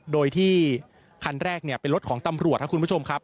โดยที่คันแรกเป็นรถของตำรวจครับคุณผู้ชมครับ